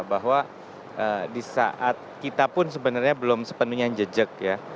bahwa di saat kita pun sebenarnya belum sepenuhnya jejak ya